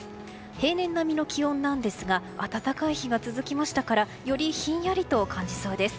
平年並みの気温なんですが暖かい日が続きましたからより、ひんやりと感じそうです。